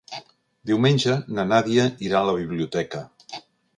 Diumenge na Nàdia irà a la biblioteca.